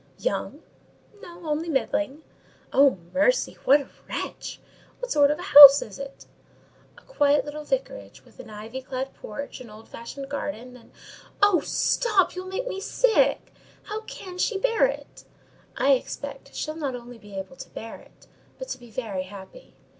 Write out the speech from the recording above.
"Young?" "No; only middling." "Oh, mercy! what a wretch! What sort of a house is it?" "A quiet little vicarage, with an ivy clad porch, an old fashioned garden, and—" "Oh, stop!—you'll make me sick. How can she bear it?" "I expect she'll not only be able to bear it, but to be very happy.